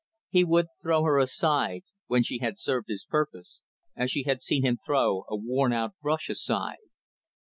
He would throw her aside, when she had served his purpose, as she had seen him throw a worn out brush aside.